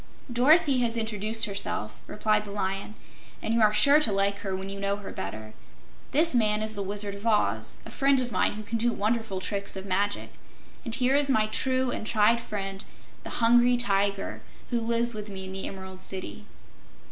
"Dorothy has introduced herself," replied the Lion, "and you are sure to like her when you know her better. This man is the Wizard of Oz, a friend of mine who can do wonderful tricks of magic. And here is my true and tried friend, the Hungry Tiger, who lives with me in the Emerald City."